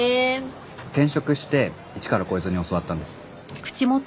転職して一からこいつに教わったんです。